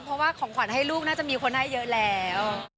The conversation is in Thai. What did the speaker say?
เพราะว่าของขวัญให้ลูกน่าจะมีคนให้เยอะแล้ว